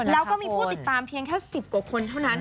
แล้วก็มีผู้ติดตามเพียงแค่๑๐กว่าคนเท่านั้น